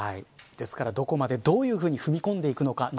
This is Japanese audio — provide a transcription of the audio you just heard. ですから、どこまでどういうふうに踏み込んでいくのか。